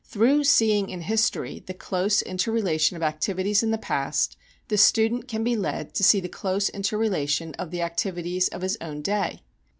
Through seeing in history the close interrelation of activities in the past the student can be led to see the close interrelation of the activities of his own day.